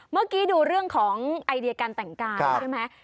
เมื่อกี้ดูเรื่องของไอเดียการแต่งกายใช่ไหม